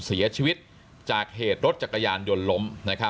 เสียชีวิตจากเหตุรถจักรยานยนต์ล้ม